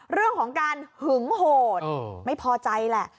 เรื่องของการหึงโหดไม่พอใจแหละ